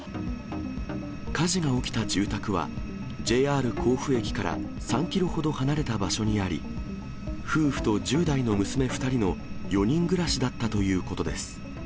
火事が起きた住宅は、ＪＲ甲府駅から３キロほど離れた場所にあり、夫婦と１０代の娘２人の４人暮らしだったということです。